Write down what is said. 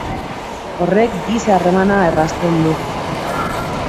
Horrek giza harremana errazten du.